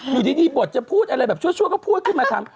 อยู่ดีบทจะพูดอะไรแบบชั่วก็พูดขึ้นมาทำ